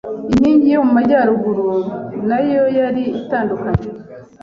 inkingi yo mumajyaruguru nayo yari itandukanye